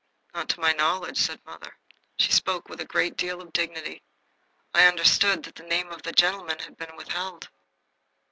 "Not to my knowledge," said mother. She spoke with a great deal of dignity. "I understood that the name of the gentleman had been withheld."